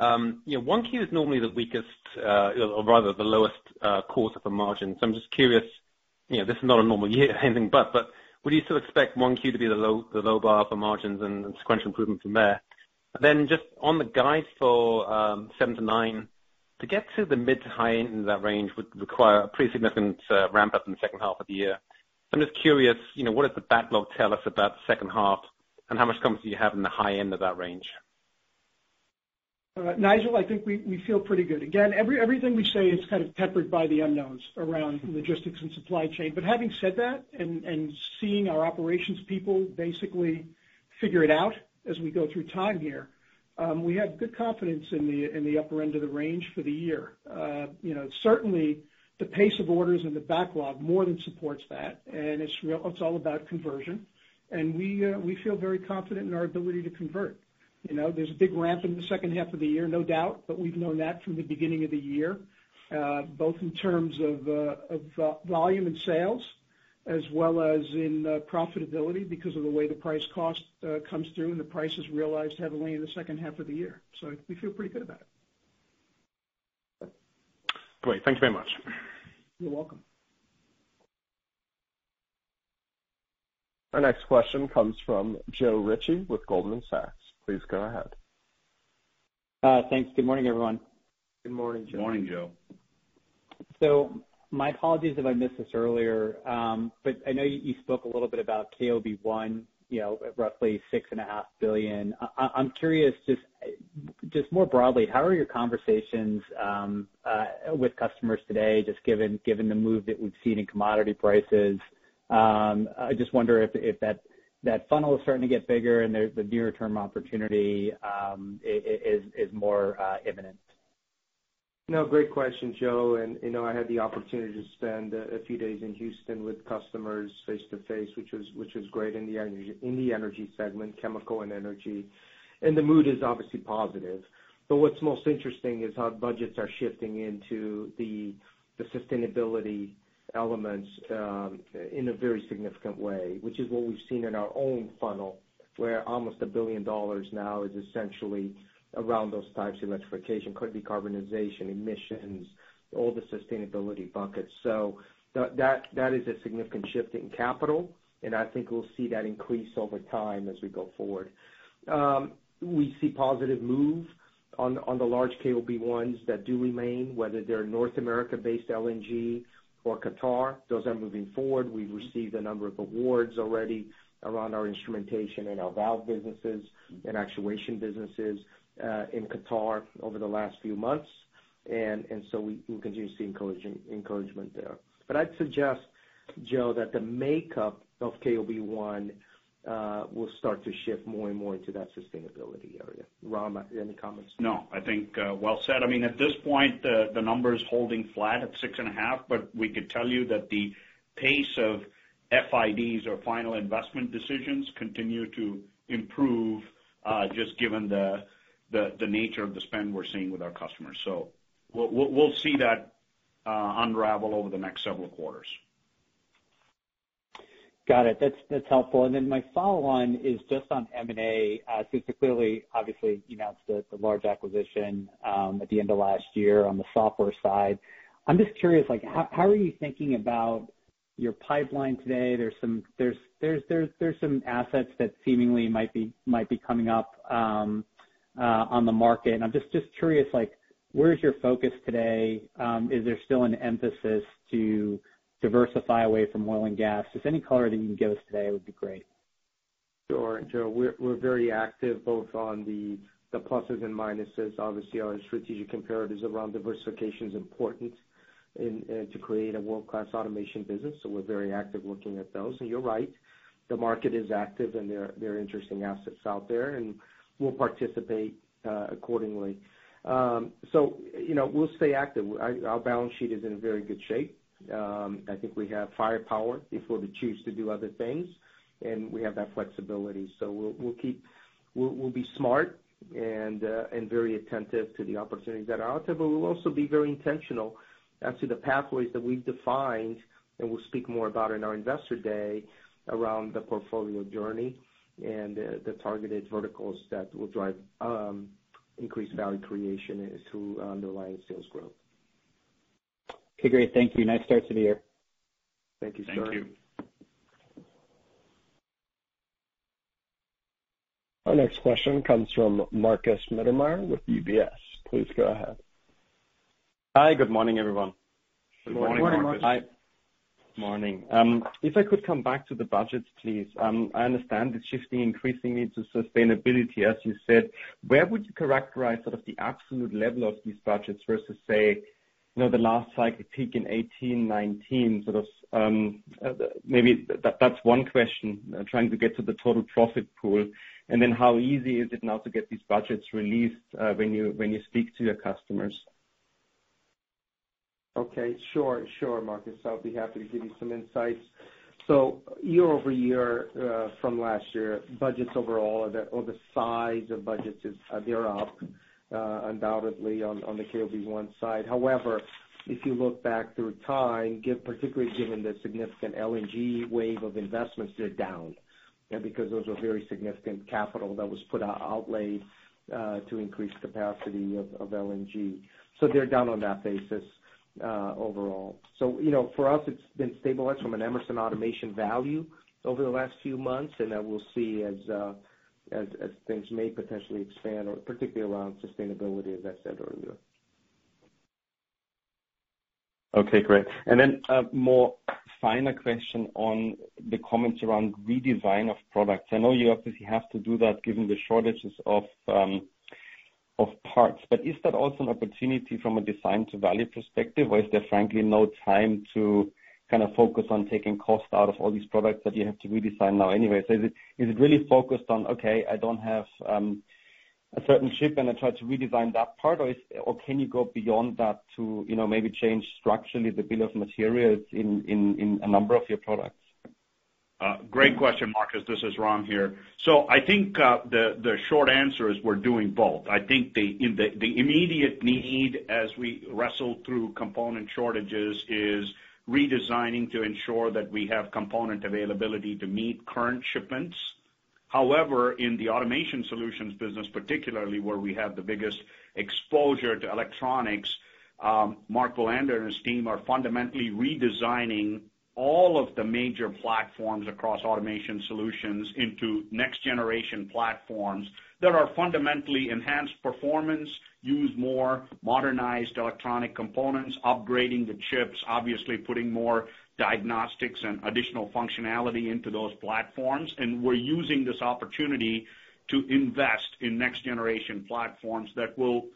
You know, 1Q is normally the weakest, or rather the lowest quarter for margin. I'm just curious, you know, this is not a normal year or anything, but would you still expect 1Q to be the low bar for margins and sequential improvement from there? And then just on the guide for 7%-9%, to get to the mid to high end in that range would require a pretty significant ramp up in the second half of the year. I'm just curious, you know, what does the backlog tell us about the second half, and how much confidence do you have in the high end of that range? Nigel, I think we feel pretty good. Again, everything we say is kind of tempered by the unknowns around logistics and supply chain, having said that, and seeing our operations people basically figure it out as we go through time here, we have good confidence in the upper end of the range for the year. You know, certainly the pace of orders and the backlog more than supports that, and it's all about conversion. We feel very confident in our ability to convert. You know, there's a big ramp in the second half of the year, no doubt, but we've known that from the beginning of the year, both in terms of volume and sales as well as in profitability because of the way the price cost comes through and the price is realized heavily in the second half of the year. We feel pretty good about it. Great. Thank you very much. You're welcome. Our next question comes from Joe Ritchie with Goldman Sachs. Please go ahead. Thanks. Good morning, everyone. Good morning, Joe. Good morning, Joe. My apologies if I missed this earlier, but I know you spoke a little bit about KOB1, you know, roughly $6.5 billion. I'm curious, just more broadly, how are your conversations with customers today, just given the move that we've seen in commodity prices. I just wonder if that funnel is starting to get bigger and the nearer-term opportunity is more imminent. No, great question, Joe. You know, I had the opportunity to spend a few days in Houston with customers face-to-face, which was great in the energy segment, chemical and energy. What's most interesting is how budgets are shifting into the sustainability elements in a very significant way, which is what we've seen in our own funnel, where almost $1 billion now is essentially around those types of electrification, could be carbonization, emissions, all the sustainability buckets. That is a significant shift in capital, and I think we'll see that increase over time as we go forward. We see positive move on the large KOB ones that do remain, whether they're North America-based LNG or Qatar. Those are moving forward. We've received a number of awards already around our instrumentation and our valve businesses and actuation businesses in Qatar over the last few months. We continue to see encouragement there. I'd suggest, Joe, that the makeup of KOB1 will start to shift more and more into that sustainability area. Ram, any comments? No, I think, well said. I mean, at this point, the number is holding flat at 6.5%, but we could tell you that the pace of FIDs or final investment decisions continues to improve, just given the nature of the spend we're seeing with our customers. We'll see that unravel over the next several quarters. Got it. That's helpful. My follow-on is just on M&A. Clearly, obviously, you announced the large acquisition at the end of last year on the software side. I'm just curious, like how are you thinking about your pipeline today? There's some assets that seemingly might be coming up on the market. I'm just curious, like, where is your focus today? Is there still an emphasis to diversify away from oil and gas? Just any color that you can give us today would be great. Sure, Joe. We're very active both on the pluses and minuses. Obviously, our strategic comparatives around diversification is important in to create a world-class automation business, so we're very active looking at those. You're right, the market is active, and there are very interesting assets out there, and we'll participate accordingly. You know, we'll stay active. Our balance sheet is in very good shape. I think we have firepower if we were to choose to do other things, and we have that flexibility. We'll be smart and very attentive to the opportunities that are out there. We'll also be very intentional as to the pathways that we've defined and will speak more about in our investor day around the portfolio journey and the targeted verticals that will drive increased value creation through underlying sales growth. Okay, great. Thank you. Nice start to the year. Thank you, sir. Thank you. Our next question comes from Markus Mittermaier with UBS. Please go ahead. Hi. Good morning, everyone. Good morning. Good morning, Markus. Morning. If I could come back to the budgets, please. I understand it's shifting increasingly to sustainability, as you said. Where would you characterize sort of the absolute level of these budgets versus, say, you know, the last cycle peak in 2018, 2019, sort of, maybe that's one question, trying to get to the total profit pool. How easy is it now to get these budgets released, when you speak to your customers? Okay, sure. Sure, Markus, I'll be happy to give you some insights. Year-over-year, from last year, budgets overall or the size of budgets, they're up undoubtedly on the KOB1 side. However, if you look back through time, particularly given the significant LNG wave of investments, they're down, you know, because those were very significant capital that was outlaid to increase capacity of LNG. They're down on that basis overall. You know, for us, it's been stabilized from an Emerson Automation value over the last few months. We'll see as things may potentially expand or particularly around sustainability, as I said earlier. Okay, great. A more finer question on the comments around redesign of products. I know you obviously have to do that given the shortages of parts. Is that also an opportunity from a design to value perspective, or is there frankly no time to kind of focus on taking cost out of all these products that you have to redesign now anyway? Is it really focused on, okay, I don't have a certain chip, and I try to redesign that part? Or can you go beyond that to, you know, maybe change structurally the bill of materials in a number of your products? Great question, Markus. This is Ram here. I think the short answer is we're doing both. I think the immediate need as we wrestle through component shortages is redesigning to ensure that we have component availability to meet current shipments. However, in the Automation Solutions business, particularly where we have the biggest exposure to electronics, Mark Bulanda and his team are fundamentally redesigning all of the major platforms across Automation Solutions into next generation platforms that are fundamentally enhanced performance, use more modernized electronic components, upgrading the chips, obviously putting more diagnostics and additional functionality into those platforms. We're using this opportunity to invest in next generation platforms that will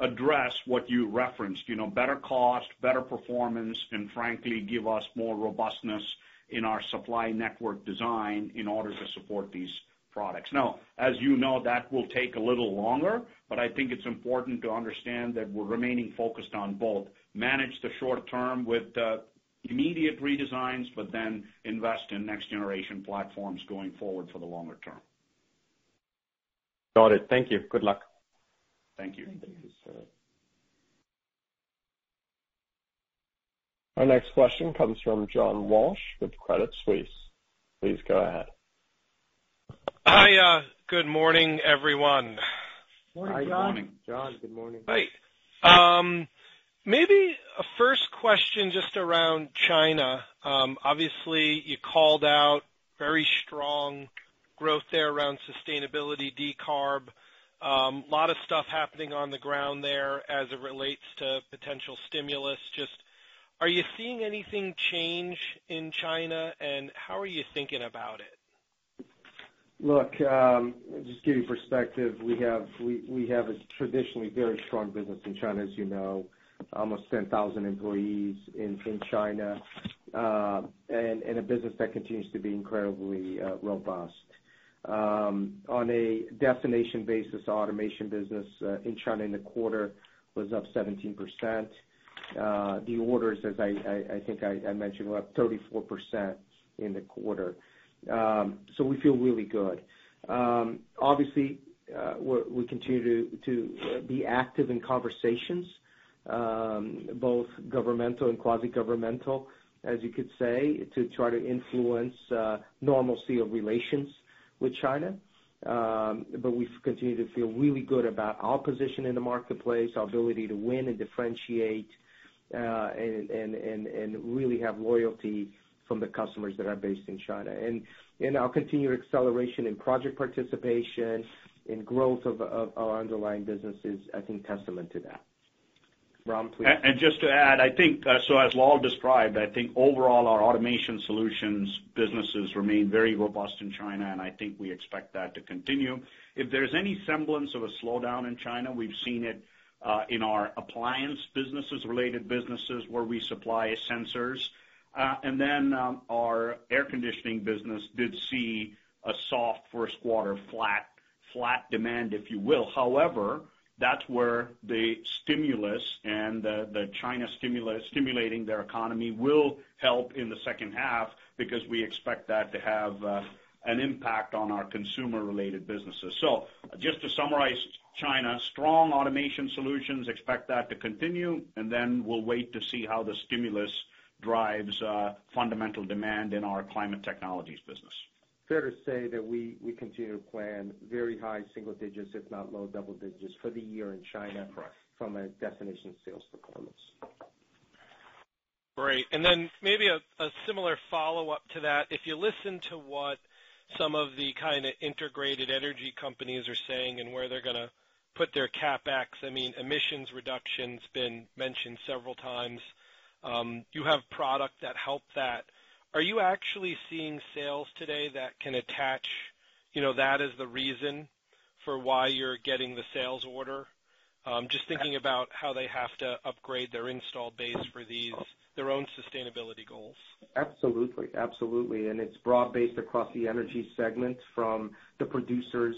address what you referenced, you know, better cost, better performance, and frankly, give us more robustness in our supply network design in order to support these products. Now, as you know, that will take a little longer, but I think it's important to understand that we're remaining focused on both managing the short term with immediate redesigns, but then invest in next generation platforms going forward for the longer term. Got it. Thank you. Good luck. Thank you. Our next question comes from John Walsh with Credit Suisse. Please go ahead. Hi. Good morning, everyone. Morning, John. John, good morning. Hi. Maybe a first question just around China. Obviously, you called out very strong growth there around sustainability decarb. A lot of stuff happening on the ground there as it relates to potential stimulus. Just are you seeing anything change in China, and how are you thinking about it? Look, just give you perspective, we have a traditionally very strong business in China, as you know, almost 10,000 employees in China, and a business that continues to be incredibly robust. On a destination basis, automation business in China in the quarter was up 17%. The orders, as I think I mentioned, were up 34% in the quarter. We feel really good. Obviously, we continue to be active in conversations both governmental and quasi-governmental, as you could say, to try to influence normalcy of relations with China. We've continued to feel really good about our position in the marketplace, our ability to win and differentiate, and really have loyalty from the customers that are based in China. our continued acceleration in project participation and growth of our underlying business is I think, testament to that. Ram, please. Just to add, I think, so as Lal described, I think overall our Automation Solutions businesses remain very robust in China, and I think we expect that to continue. If there's any semblance of a slowdown in China, we've seen it in our appliance businesses, related businesses where we supply sensors. Our air conditioning business did see a soft first quarter flat demand, if you will. However, that's where the stimulus and the China stimulus stimulating their economy will help in the second half because we expect that to have an impact on our consumer-related businesses. Just to summarize China, strong Automation Solutions, expect that to continue, and then we'll wait to see how the stimulus drives fundamental demand in our Climate Technologies business. Fair to say that we continue to plan very high single digits, if not low double digits for the year in China. Correct. From a different sales performance. Great. Maybe a similar follow-up to that. If you listen to what some of the kind of integrated energy companies are saying and where they're gonna put their CapEx, I mean, emissions reduction's been mentioned several times. You have product that help that. Are you actually seeing sales today that can attach, you know, that as the reason for why you're getting the sales order? Just thinking about how they have to upgrade their installed base for these, their own sustainability goals. Absolutely. It's broad-based across the energy segments from the producers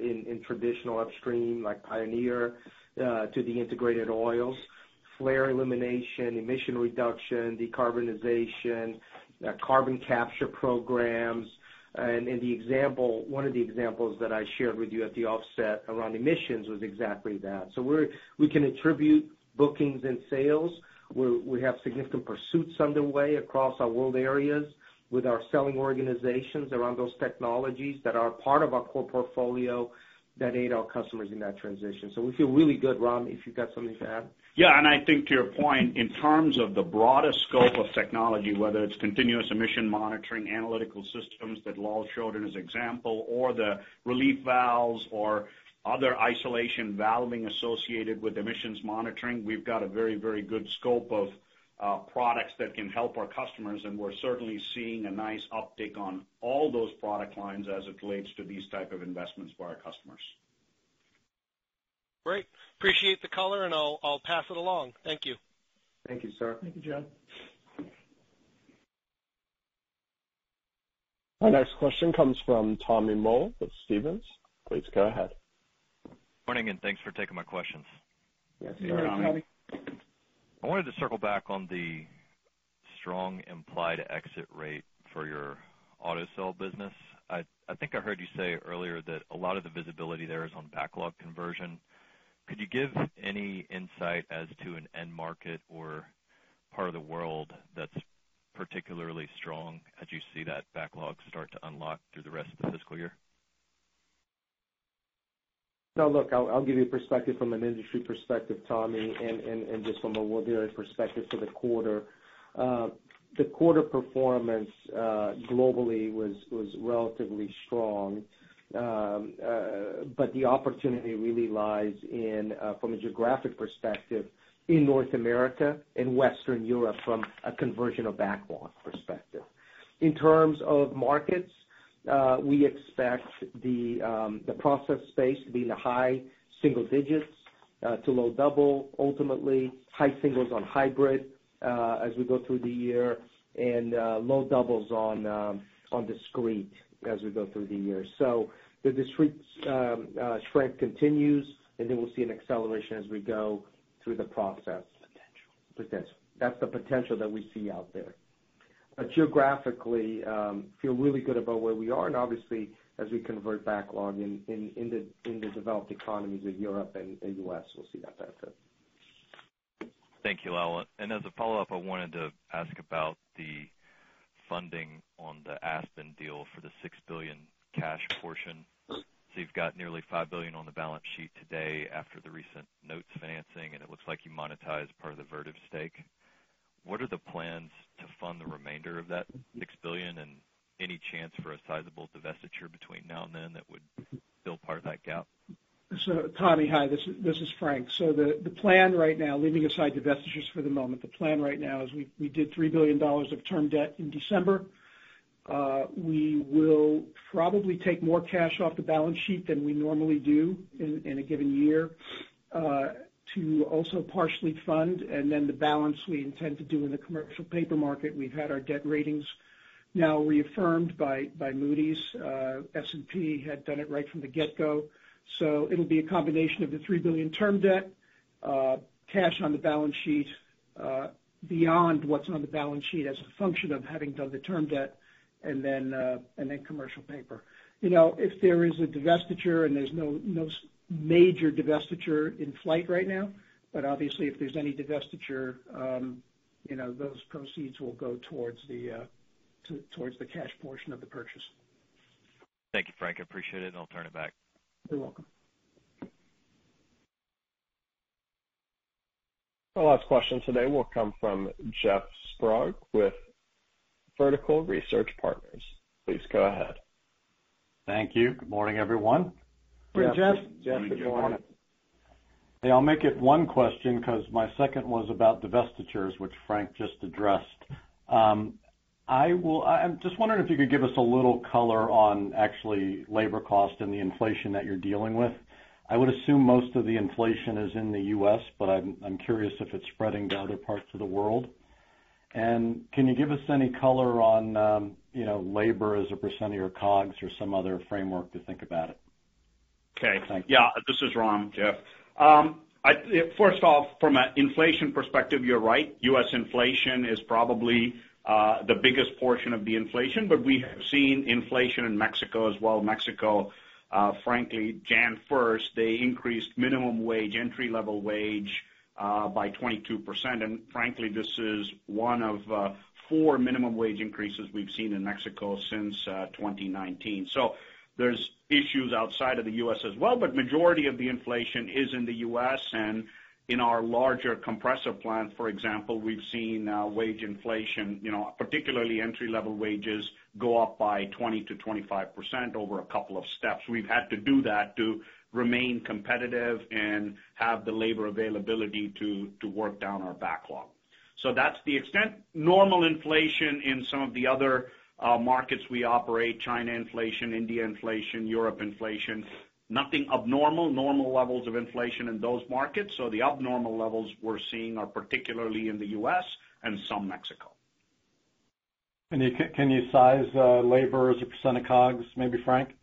in traditional upstream, like Pioneer, to the integrated oils, flare elimination, emission reduction, decarbonization, carbon capture programs. In the example, one of the examples that I shared with you at the outset around emissions was exactly that. We can attribute bookings and sales. We have significant pursuits underway across our world areas with our selling organizations around those technologies that are part of our core portfolio that aid our customers in that transition. We feel really good. Ram, if you've got something to add. Yeah. I think to your point, in terms of the broader scope of technology, whether it's continuous emission monitoring, analytical systems that Lal showed in his example or the relief valves or other isolation valving associated with emissions monitoring, we've got a very, very good scope of products that can help our customers, and we're certainly seeing a nice uptick on all those product lines as it relates to these type of investments by our customers. Great. Appreciate the color, and I'll pass it along. Thank you. Thank you, sir. Thank you, John. Our next question comes from Tommy Moll with Stephens. Please go ahead. Morning, and thanks for taking my questions. Yes. Good morning, Tommy. Good morning. I wanted to circle back on the strong implied exit rate for your auto sell business. I think I heard you say earlier that a lot of the visibility there is on backlog conversion. Could you give any insight as to an end market or part of the world that's particularly strong as you see that backlog start to unlock through the rest of the fiscal year? No. Look, I'll give you perspective from an industry perspective, Tommy, and just from a world area perspective for the quarter. The quarter performance globally was relatively strong. The opportunity really lies from a geographic perspective in North America and Western Europe from a conversion of backlog perspective. In terms of markets, we expect the process space to be in the high single digits% to low double digits%, ultimately high single digits% on hybrid as we go through the year, and low double digits% on discrete as we go through the year. The discrete strength continues, and then we'll see an acceleration as we go through the process. Potential. Potential. That's the potential that we see out there. Geographically, we feel really good about where we are and obviously as we convert backlog in the developed economies of Europe and U.S., we'll see that benefit. Thank you, Lal. As a follow-up, I wanted to ask about the funding on the Aspen deal for the $6 billion cash portion. You've got nearly $5 billion on the balance sheet today after the recent notes financing, and it looks like you monetized part of the Vertiv stake. What are the plans to fund the remainder of that $6 billion and any chance for a sizable divestiture between now and then that would fill part of that gap? Tommy, hi, this is Frank. The plan right now, leaving aside divestitures for the moment, the plan right now is we did $3 billion of term debt in December. We will probably take more cash off the balance sheet than we normally do in a given year to also partially fund and then the balance we intend to do in the commercial paper market. We've had our debt ratings now reaffirmed by Moody's. S&P had done it right from the get-go. It will be a combination of the $3 billion term debt, cash on the balance sheet, beyond what's on the balance sheet as a function of having done the term debt and then commercial paper. You know, if there is a divestiture and there's no major divestiture in flight right now, but obviously if there's any divestiture, you know, those proceeds will go towards the cash portion of the purchase. Thank you, Frank. I appreciate it, and I'll turn it back. You're welcome. Our last question today will come from Jeff Sprague with Vertical Research Partners. Please go ahead. Thank you. Good morning, everyone. Good morning, Jeff. Jeff, good morning. Hey, I'll make it one question because my second was about divestitures, which Frank just addressed. I'm just wondering if you could give us a little color on actually labor cost and the inflation that you're dealing with. I would assume most of the inflation is in the U.S., but I'm curious if it's spreading to other parts of the world. Can you give us any color on, you know, labor as a percent of your COGS or some other framework to think about it? Okay. Thank you. Yeah. This is Ram, Jeff. First off, from an inflation perspective, you're right. U.S. inflation is probably the biggest portion of the inflation. We have seen inflation in Mexico as well. Mexico, frankly, January 1, they increased minimum wage, entry-level wage by 22%. Frankly, this is one of four minimum wage increases we've seen in Mexico since 2019. There's issues outside of the U.S. as well, but majority of the inflation is in the U.S. In our larger compressor plant, for example, we've seen wage inflation, you know, particularly entry-level wages go up by 20%-25% over a couple of steps. We've had to do that to remain competitive and have the labor availability to work down our backlog. That's the extent. Normal inflation in some of the other, markets we operate, China inflation, India inflation, Europe inflation, nothing abnormal. Normal levels of inflation in those markets. The abnormal levels we're seeing are particularly in the U.S. and some Mexico. Can you size labor as a percent of COGS, maybe, Frank?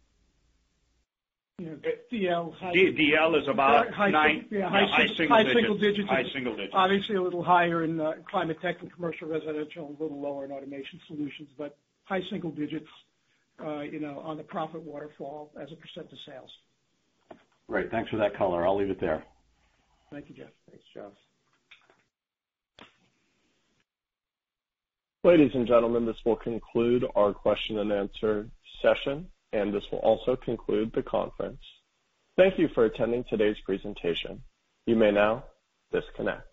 Yeah. DL is about nine. <crosstalk> Hi. Yeah. High single digits. High single digits. High single digits. Obviously, a little higher in Climate Technologies and Commercial & Residential Solutions, a little lower in Automation Solutions, but high single digits, you know, on the profit waterfall as a percent of sales. Great. Thanks for that color. I'll leave it there. Thank you, Jeff. Thanks, Jeff. Ladies and gentlemen, this will conclude our question-and-answer session, and this will also conclude the conference. Thank you for attending today's presentation. You may now disconnect.